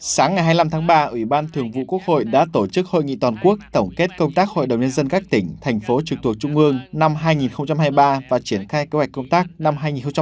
sáng ngày hai mươi năm tháng ba ủy ban thường vụ quốc hội đã tổ chức hội nghị toàn quốc tổng kết công tác hội đồng nhân dân các tỉnh thành phố trực thuộc trung ương năm hai nghìn hai mươi ba và triển khai kế hoạch công tác năm hai nghìn hai mươi bốn